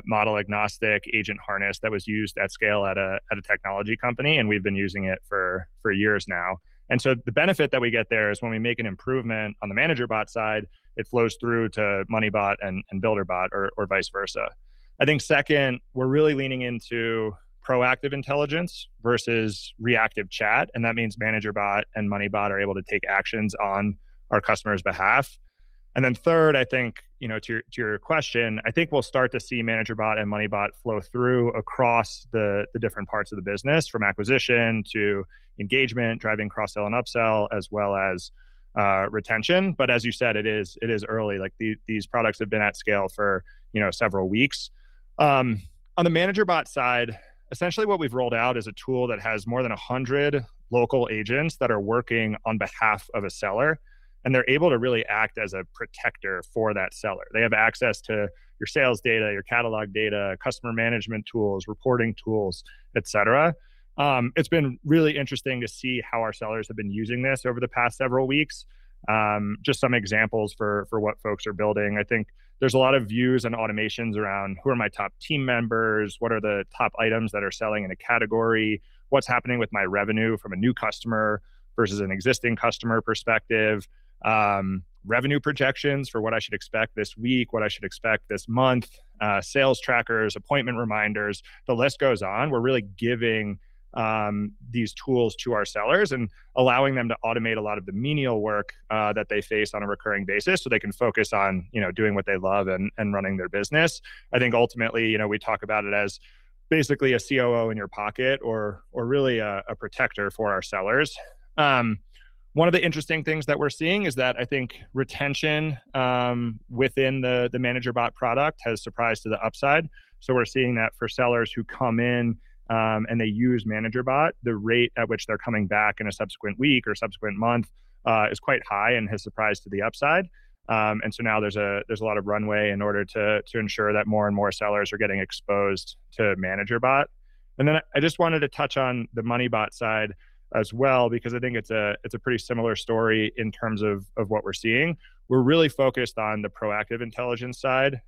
model-agnostic agent harness that was used at scale at a technology company, and we've been using it for years now. The benefit that we get there is when we make an improvement on the ManagerBot side, it flows through to MoneyBot and BuilderBot or vice versa. I think second, we're really leaning into proactive intelligence versus reactive chat, and that means ManagerBot and MoneyBot are able to take actions on our customer's behalf. Third, I think, you know, to your question, I think we'll start to see ManagerBot and MoneyBot flow through across the different parts of the business, from acquisition to engagement, driving cross-sell and up-sell, as well as retention. As you said, it is early. Like, these products have been at scale for, you know, several weeks. On the ManagerBot side, essentially what we've rolled out is a tool that has more than 100 local agents that are working on behalf of a seller, and they're able to really act as a protector for that seller. They have access to your sales data, your catalog data, customer management tools, reporting tools, et cetera. It's been really interesting to see how our sellers have been using this over the past several weeks. Just some examples for what folks are building. I think there's a lot of views and automations around who are my top team members, what are the top items that are selling in a category, what's happening with my revenue from a new customer versus an existing customer perspective, revenue projections for what I should expect this week, what I should expect this month, sales trackers, appointment reminders, the list goes on. We're really giving these tools to our sellers and allowing them to automate a lot of the menial work that they face on a recurring basis so they can focus on, you know, doing what they love and running their business. I think ultimately, you know, we talk about it as basically a COO in your pocket or really a protector for our sellers. One of the interesting things that we're seeing is that I think retention within the ManagerBot product has surprised to the upside. We're seeing that for sellers who come in and they use ManagerBot, the rate at which they're coming back in a subsequent week or subsequent month is quite high and has surprised to the upside. Now there's a lot of runway in order to ensure that more and more sellers are getting exposed to ManagerBot. Then I just wanted to touch on the MoneyBot side as well because I think it's a pretty similar story in terms of what we're seeing. We're really focused on the proactive intelligence side.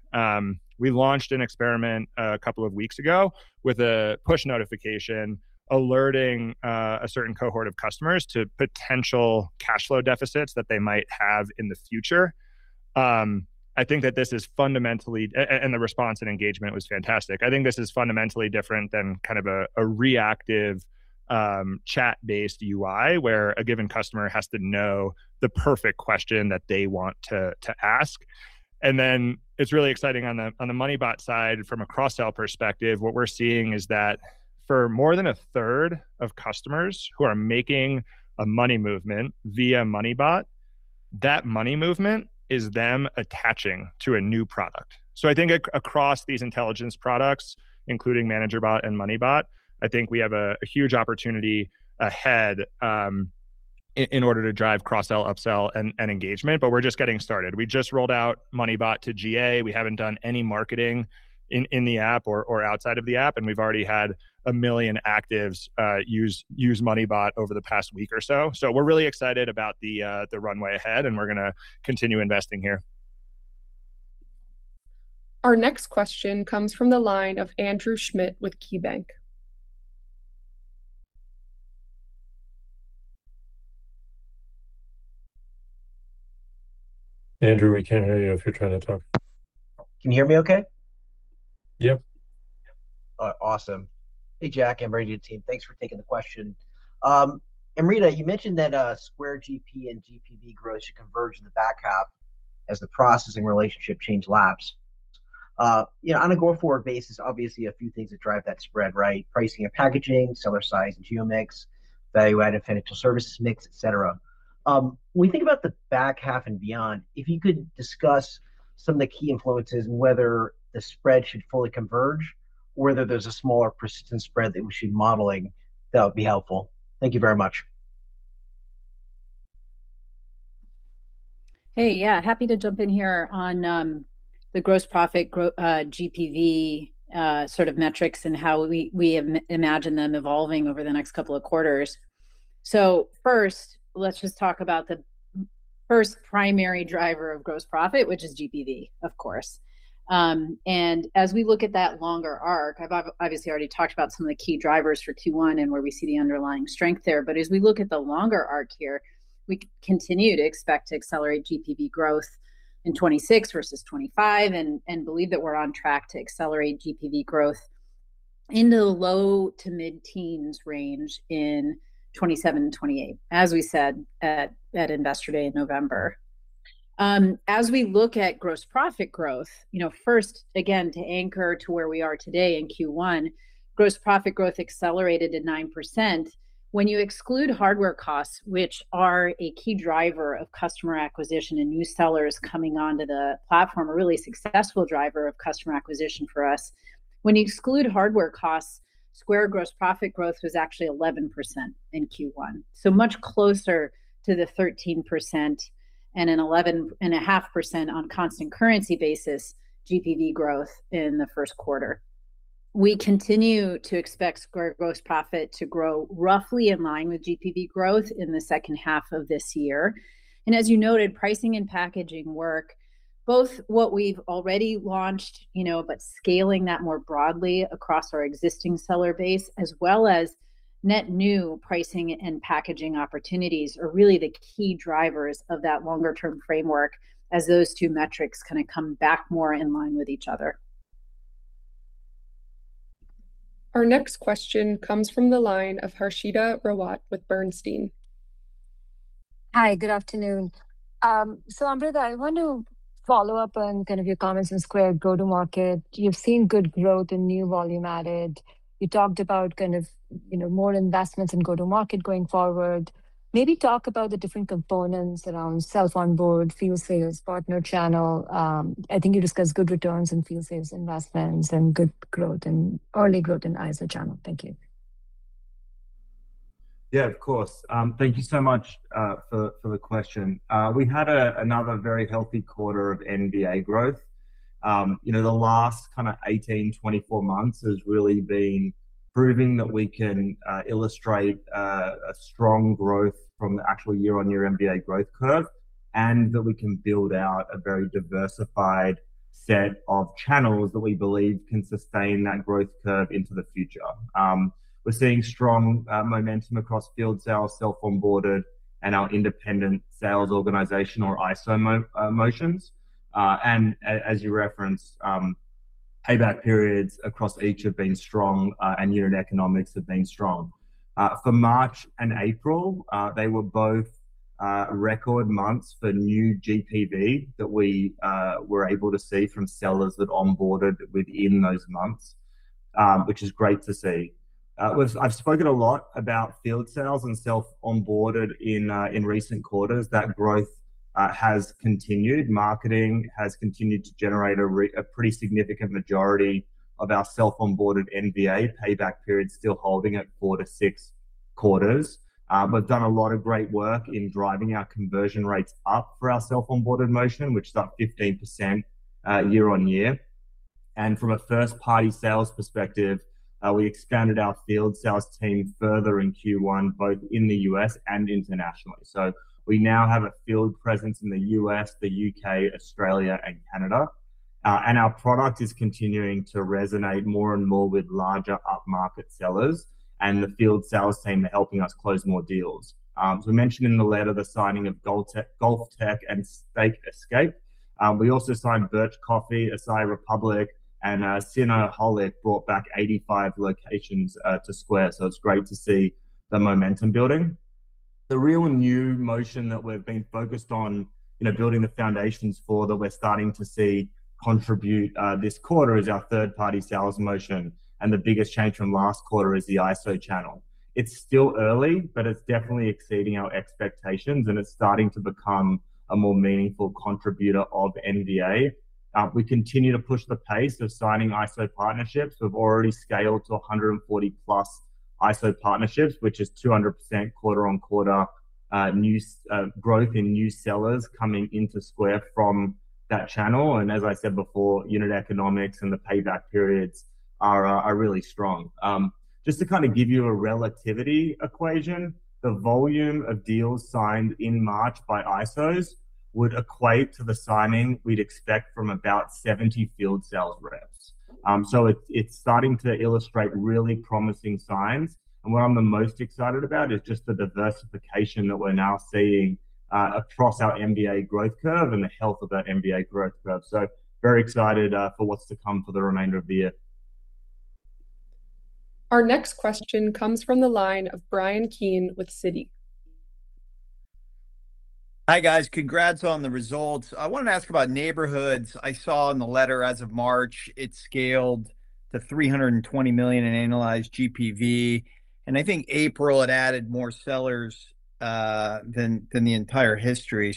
We launched an experiment a couple of weeks ago with a push notification alerting a certain cohort of customers to potential cash flow deficits that they might have in the future. I think that this is fundamentally and the response and engagement was fantastic. I think this is fundamentally different than kind of a reactive chat-based UI where a given customer has to know the perfect question that they want to ask. Then it's really exciting on the, on the MoneyBot side from a cross-sell perspective, what we're seeing is that for more than a third of customers who are making a money movement via MoneyBot, that money movement is them attaching to a new product. I think across these intelligence products, including ManagerBot and MoneyBot, I think we have a huge opportunity ahead in order to drive cross-sell, up-sell and engagement, but we're just getting started. We just rolled out MoneyBot to GA. We haven't done any marketing in the app or outside of the app, and we've already had a million actives use MoneyBot over the past week or so. We're really excited about the runway ahead, and we're gonna continue investing here. Our next question comes from the line of Andrew Schmidt with KeyBanc Capital Markets. Andrew, we can't hear you if you're trying to talk. Can you hear me okay? Yep. All right. Awesome. Hey, Jack and Amrita team. Thanks for taking the question. Amrita, you mentioned that Square GP and GPV growth should converge in the back half as the processing relationship change lapse. On a going forward basis, obviously a few things that drive that spread, right? Pricing and packaging, seller size and geo mix, value added financial services mix, et cetera. When we think about the back half and beyond, if you could discuss some of the key influences and whether the spread should fully converge or whether there's a smaller persistent spread that we should be modeling, that would be helpful. Thank you very much. Hey, yeah. Happy to jump in here on the gross profit GPV sort of metrics and how we imagine them evolving over the next couple of quarters. First, let's just talk about the 1st primary driver of gross profit, which is GPV, of course. And as we look at that longer arc, I've obviously already talked about some of the key drivers for Q1 and where we see the underlying strength there, but as we look at the longer arc here, we continue to expect to accelerate GPV growth in 2026 versus 2025 and believe that we're on track to accelerate GPV growth into the low to mid-teens range in 2027 and 2028, as we said at Investor Day in November. As we look at gross profit growth, you know, first again, to anchor to where we are today in Q1, gross profit growth accelerated at 9%. When you exclude hardware costs, which are a key driver of customer acquisition and new sellers coming onto the platform, a really successful driver of customer acquisition for us, when you exclude hardware costs, Square gross profit growth was actually 11% in Q1, so much closer to the 13% and an 11.5% on constant currency basis GPV growth in the first quarter. We continue to expect Square gross profit to grow roughly in line with GPV growth in the second half of this year. As you noted, pricing and packaging work, both what we've already launched, you know, but scaling that more broadly across our existing seller base as well as net new pricing and packaging opportunities are really the key drivers of that longer term framework as those two metrics kind of come back more in line with each other. Our next question comes from the line of Harshita Rawat with Bernstein. Hi, good afternoon. Amrita, I want to follow up on kind of your comments on Square go-to-market. You've seen good growth and new volume added. You talked about kind of, you know, more investments in go-to-market going forward. Maybe talk about the different components around self-onboard, field sales, partner channel. I think you discussed good returns in field sales investments and good growth in, early growth in ISO channel. Thank you. Yeah, of course. Thank you so much for the question. We had another very healthy quarter of NVA growth. You know, the last kind of 18, 24 months has really been proving that we can illustrate a strong growth from the actual year-on-year NVA growth curve, and that we can build out a very diversified set of channels that we believe can sustain that growth curve into the future. We're seeing strong momentum across field sales, self-onboarded, and our independent sales organization or ISO motions. As you referenced, payback periods across each have been strong, and unit economics have been strong. For March and April, they were both record months for new GPV that we were able to see from sellers that onboarded within those months, which is great to see. I've spoken a lot about field sales and self-onboarded in recent quarters. That growth has continued. Marketing has continued to generate a pretty significant majority of our self-onboarded NVA payback period still holding at four to sixquarters. We've done a lot of great work in driving our conversion rates up for our self-onboarded motion, which is up 15% year-on-year. From a first party sales perspective, we expanded our field sales team further in Q1, both in the U.S. and internationally. We now have a field presence in the U.S., the U.K., Australia, and Canada. Our product is continuing to resonate more and more with larger upmarket sellers, and the field sales team are helping us close more deals. We mentioned in the letter the signing of GOLFTEC and Steak Escape. We also signed Birch Coffee, Acai Republic, and Cinnaholic brought back 85 locations to Square. It's great to see the momentum building. The real new motion that we've been focused on, you know, building the foundations for that we're starting to see contribute this quarter is our third party sales motion, and the biggest change from last quarter is the ISO channel. It's still early, but it's definitely exceeding our expectations, and it's starting to become a more meaningful contributor of NVA. We continue to push the pace of signing ISO partnerships. We've already scaled to 140+ ISO partnerships, which is 200% quarter-on-quarter new growth in new sellers coming into Square from that channel. Unit economics and the payback periods are really strong. Just to kinda give you a relativity equation, the volume of deals signed in March by ISOs would equate to the signing we'd expect from about 70 field sales reps. It's starting to illustrate really promising signs. What I'm the most excited about is just the diversification that we're now seeing across our NVA growth curve and the health of that NVA growth curve. Very excited for what's to come for the remainder of the year. Our next question comes from the line of Bryan Keane with Citi. Hi guys. Congrats on the results. I wanted to ask about Neighborhoods. I saw in the letter as of March, it scaled to $320 million in analyzed GPV, and I think April had added more sellers than the entire history.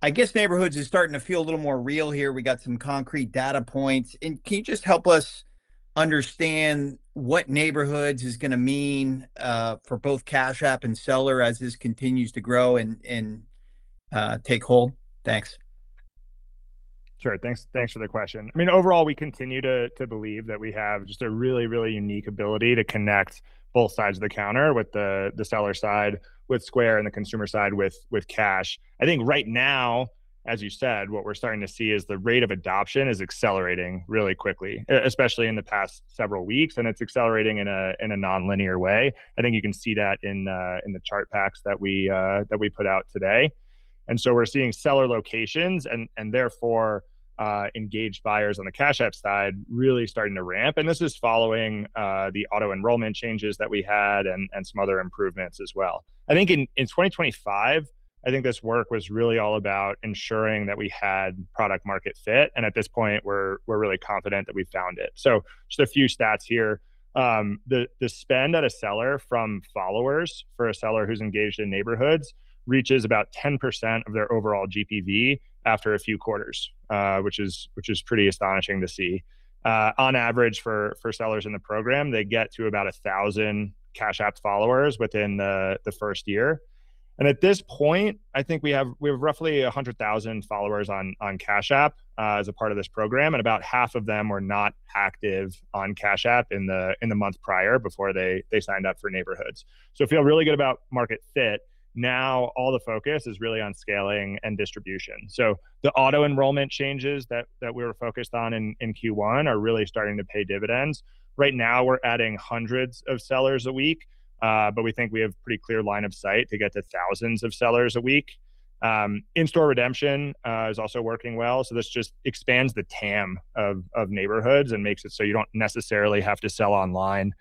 I guess Neighborhoods is starting to feel a little more real here. We got some concrete data points. Can you just help us understand what Neighborhoods is gonna mean for both Cash App and seller as this continues to grow and take hold? Thanks. Thanks for the question. I mean, overall, we continue to believe that we have just a really unique ability to connect both sides of the counter with the seller side with Square and the consumer side with Cash. I think right now, as you said, what we're starting to see is the rate of adoption is accelerating really quickly, especially in the past several weeks, and it's accelerating in a nonlinear way. I think you can see that in the chart packs that we that we put out today. We're seeing seller locations and therefore engaged buyers on the Cash App side really starting to ramp, and this is following the auto-enrollment changes that we had and some other improvements as well. I think in 2025, I think this work was really all about ensuring that we had product market fit. At this point we're really confident that we've found it. Just a few stats here. The spend at a seller from followers for a seller who's engaged in Neighborhoods reaches about 10% of their overall GPV after a few quarters, which is pretty astonishing to see. On average for sellers in the program, they get to about 1,000 Cash App followers within the first year. At this point, I think we have roughly 100,000 followers on Cash App as a part of this program, and about half of them are not active on Cash App in the month prior before they signed up for Neighborhoods. Feel really good about market fit. All the focus is really on scaling and distribution. The auto-enrollment changes that we were focused on in Q1 are really starting to pay dividends. Right now, we're adding hundreds of sellers a week, but we think we have pretty clear line of sight to get to thousands of sellers a week. In-store redemption is also working well, so this just expands the TAM of Neighborhoods and makes it so you don't necessarily have to sell online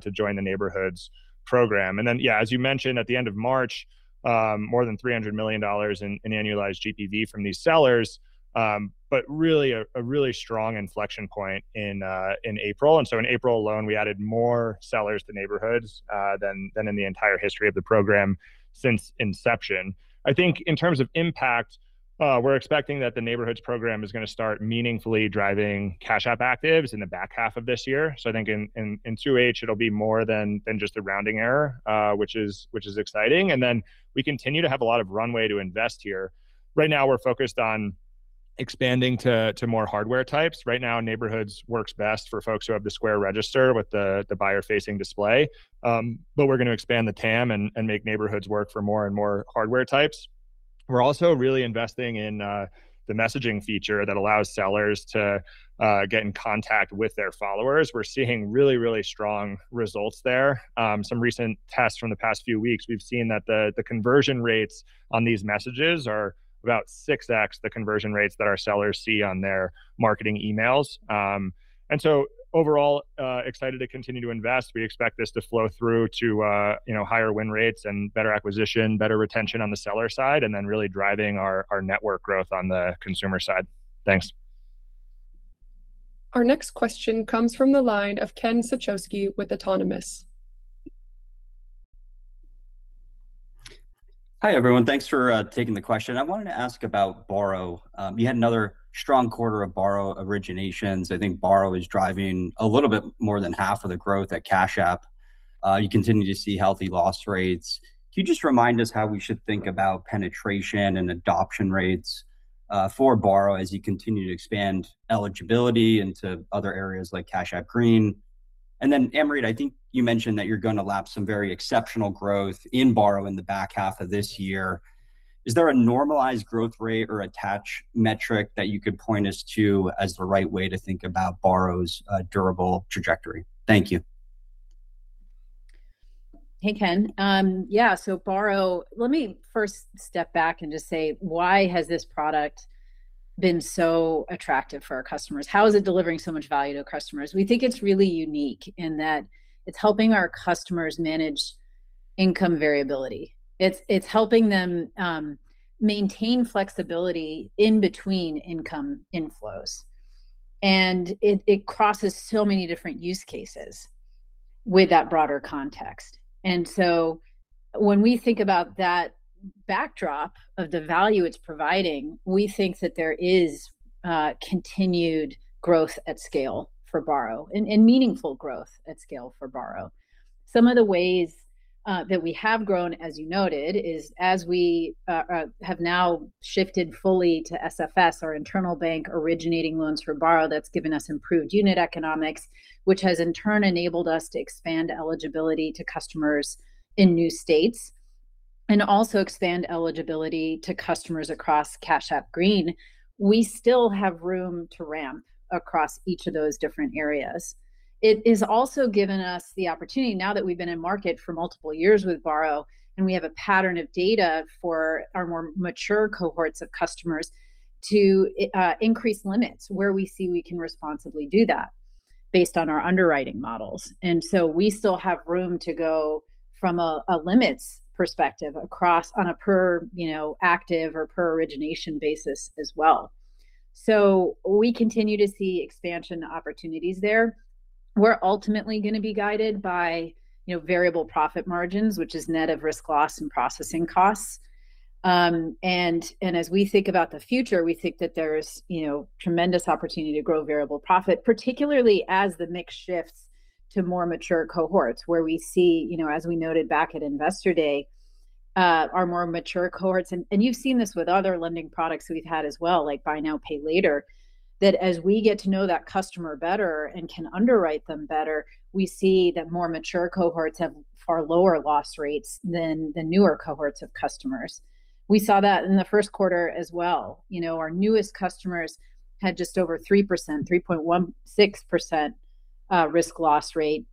to join the Neighborhoods program. Yeah, as you mentioned, at the end of March, more than $300 million in annualized GPV from these sellers, but really a really strong inflection point in April. In April alone, we added more sellers to Neighborhoods than in the entire history of the program since inception. I think in terms of impact, we're expecting that the Neighborhoods program is gonna start meaningfully driving Cash App actives in the back half of this year. I think in 2H it'll be more than just a rounding error, which is exciting. We continue to have a lot of runway to invest here. Right now we're focused on expanding to more hardware types. Right now, Neighborhoods works best for folks who have the Square Register with the buyer-facing display. We're gonna expand the TAM and make Neighborhoods work for more and more hardware types. We're also really investing in the messaging feature that allows sellers to get in contact with their followers. We're seeing really strong results there. Some recent tests from the past few weeks, we've seen that the conversion rates on these messages are about 6x the conversion rates that our sellers see on their marketing emails. Overall, excited to continue to invest. We expect this to flow through to, you know, higher win rates and better acquisition, better retention on the seller side, and then really driving our network growth on the consumer side. Thanks. Our next question comes from the line of Ken Suchoski with Autonomous. Hi, everyone. Thanks for taking the question. I wanted to ask about Borrow. You had another strong quarter of Borrow originations. I think Borrow is driving a little bit more than half of the growth at Cash App. You continue to see healthy loss rates. Can you just remind us how we should think about penetration and adoption rates for Borrow as you continue to expand eligibility into other areas like Cash App Green? Amrita, I think you mentioned that you're gonna lap some very exceptional growth in Borrow in the back half of this year. Is there a normalized growth rate or attach metric that you could point us to as the right way to think about Borrow's durable trajectory? Thank you. Hey, Ken. Yeah, Borrow, let me first step back and just say, why has this product been so attractive for our customers? How is it delivering so much value to customers? We think it's really unique in that it's helping our customers manage income variability. It's helping them maintain flexibility in between income inflows, it crosses so many different use cases with that broader context. When we think about that backdrop of the value it's providing, we think that there is continued growth at scale for Borrow and meaningful growth at scale for Borrow. Some of the ways, that we have grown, as you noted, is as we, have now shifted fully to SFS, our internal bank originating loans for Borrow, that's given us improved unit economics, which has in turn enabled us to expand eligibility to customers in new states and also expand eligibility to customers across Cash App Green. We still have room to ramp across each of those different areas. It has also given us the opportunity, now that we've been in market for multiple years with Borrow, and we have a pattern of data for our more mature cohorts of customers to increase limits where we see we can responsibly do that based on our underwriting models. We still have room to go from a limits perspective across on a per, you know, active or per origination basis as well. We continue to see expansion opportunities there. We're ultimately gonna be guided by, you know, variable profit margins, which is net of risk loss and processing costs. And as we think about the future, we think that there's, you know, tremendous opportunity to grow variable profit, particularly as the mix shifts to more mature cohorts, where we see, you know, as we noted back at Investor Day, our more mature cohorts. And you've seen this with other lending products we've had as well, like buy now, pay later, that as we get to know that customer better and can underwrite them better, we see that more mature cohorts have far lower loss rates than the newer cohorts of customers. We saw that in the first quarter as well. You know, our newest customers had just over 3%, 3.16% risk loss rate.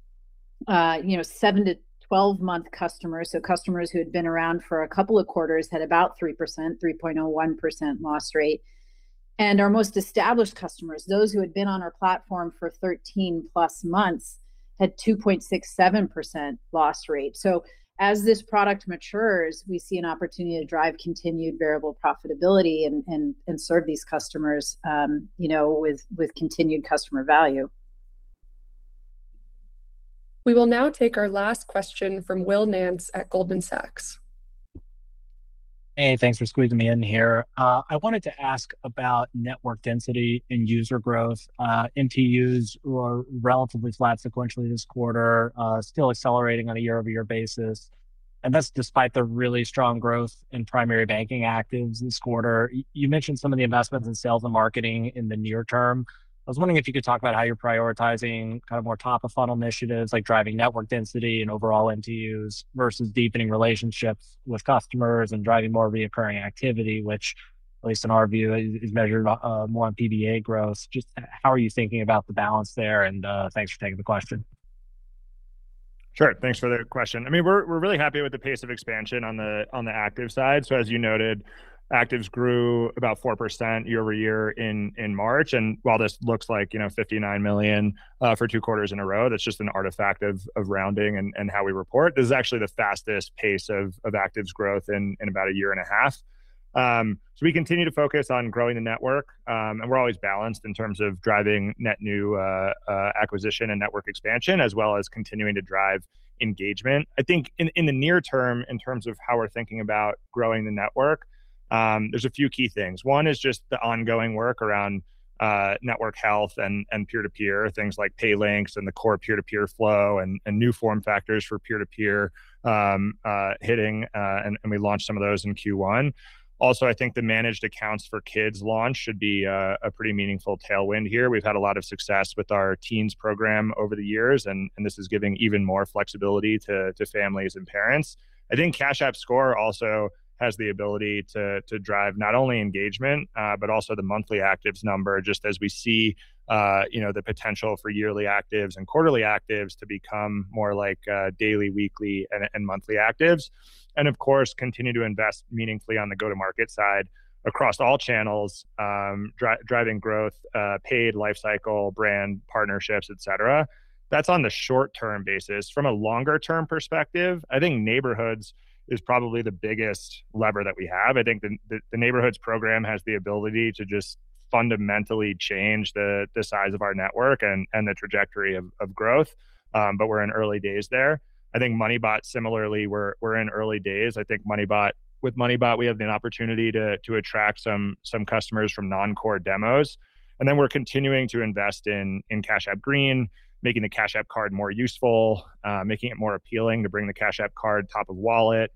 You know, seven to 12-month customers, so customers who had been around for a couple of quarters, had about 3%, 3.01% loss rate. Our most established customers, those who had been on our platform for 13-plus months, had 2.67% loss rate. As this product matures, we see an opportunity to drive continued variable profitability and serve these customers, you know, with continued customer value. We will now take our last question from Will Nance at Goldman Sachs. Hey, thanks for squeezing me in here. I wanted to ask about network density and user growth. MTUs were relatively flat sequentially this quarter, still accelerating on a year-over-year basis, and that's despite the really strong growth in Primary Banking Actives this quarter. You mentioned some of the investments in sales and marketing in the near term. I was wondering if you could talk about how you're prioritizing kind of more top-of-funnel initiatives like driving network density and overall MTUs versus deepening relationships with customers and driving more reoccurring activity, which at least in our view, is measured more on PBA growth. Just how are you thinking about the balance there, and thanks for taking the question. Sure. Thanks for the question. I mean, we're really happy with the pace of expansion on the active side. As you noted, actives grew about 4% year-over-year in March. While this looks like, you know, 59 million for two quarters in a row, that's just an artifact of rounding and how we report. This is actually the fastest pace of actives growth in about a year and a half. We continue to focus on growing the network, and we're always balanced in terms of driving net new acquisition and network expansion, as well as continuing to drive engagement. I think in the near term, in terms of how we're thinking about growing the network, there's a few key things. One is just the ongoing work around network health and peer-to-peer, things like pay links and the core peer-to-peer flow and new form factors for peer-to-peer hitting, and we launched some of those in Q1. Also, I think the managed accounts for kids launch should be a pretty meaningful tailwind here. We've had a lot of success with our teens program over the years, and this is giving even more flexibility to families and parents. I think Cash App Score also has the ability to drive not only engagement, but also the monthly actives number, just as we see, you know, the potential for yearly actives and quarterly actives to become more like daily, weekly, and monthly actives. Of course, continue to invest meaningfully on the go-to-market side across all channels, driving growth, paid lifecycle, brand partnerships, et cetera. That's on the short-term basis. From a longer-term perspective, I think Neighborhoods is probably the biggest lever that we have. I think the Neighborhoods program has the ability to just fundamentally change the size of our network and the trajectory of growth, but we're in early days there. I think MoneyBot similarly, we're in early days. I think with MoneyBot, we have the opportunity to attract some customers from non-core demos. Then we're continuing to invest in Cash App Green, making the Cash App Card more useful, making it more appealing to bring the Cash App Card top of wallet.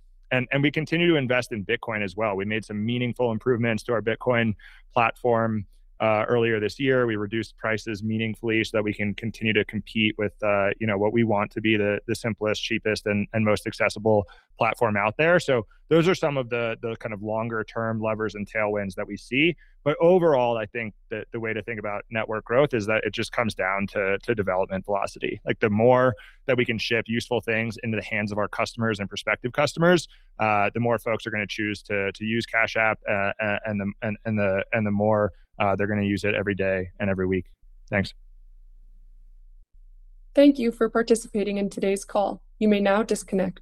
We continue to invest in Bitcoin as well. We made some meaningful improvements to our Bitcoin platform earlier this year. We reduced prices meaningfully so that we can continue to compete with, you know, what we want to be the simplest, cheapest, and most accessible platform out there. Those are some of the kind of longer-term levers and tailwinds that we see. Overall, I think the way to think about network growth is that it just comes down to development velocity. Like, the more that we can ship useful things into the hands of our customers and prospective customers, the more folks are gonna choose to use Cash App, and the more they're gonna use it every day and every week. Thanks. Thank you for participating in today's call. You may now disconnect.